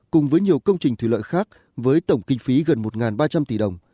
cùng với nhiều công trình thủy lợi khác với tổng kinh phí gần một ba trăm linh tỷ đồng